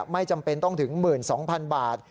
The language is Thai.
ไม่จำเป็นต้องถึง๑๒๐๐๐บาท